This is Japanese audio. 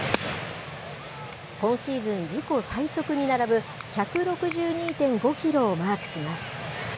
今シーズン自己最速に並ぶ、１６２．５キロをマークします。